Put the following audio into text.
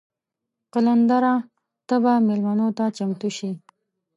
قلندره ته به میلمنو ته چمتو شې.